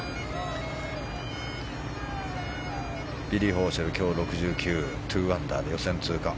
ビリー・ホーシェル、今日６９２アンダーで予選通過。